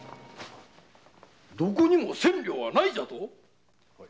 どこにも千両はないじゃと？